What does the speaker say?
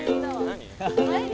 何？